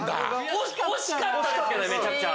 惜しかったですけどめちゃくちゃ。